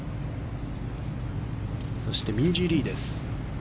そしてミンジー・リーです